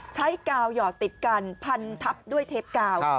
กาวหยอดติดกันพันทับด้วยเทปกาว